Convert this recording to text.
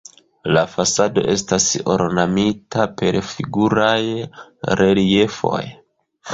La fasado estas ornamita per figuraj reliefoj.